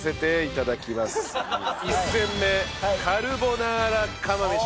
１戦目カルボナーラ釜飯を。